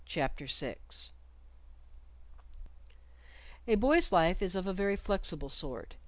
CHAPTER 6 A boy's life is of a very flexible sort.